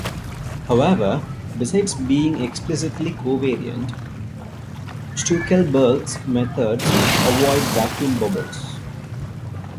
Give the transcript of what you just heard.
However, besides being explicitly covariant, Stueckelberg's methods avoid vacuum bubbles.